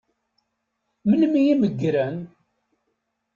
Melmi i meggren?